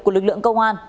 của lực lượng công an